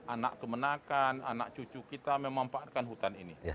anak kemenakan anak cucu kita memanfaatkan hutan ini